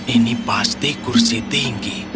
ini pasti kursi tinggi